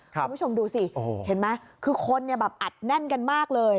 คุณผู้ชมดูสิเห็นไหมคือคนเนี่ยแบบอัดแน่นกันมากเลย